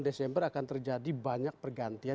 desember akan terjadi banyak pergantian